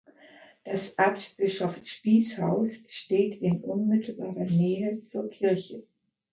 Das Abt-Bischof-Spies-Haus steht in unmittelbarer Nähe zur Kirche.